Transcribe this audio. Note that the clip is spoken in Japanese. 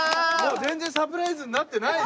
もう全然サプライズになってない。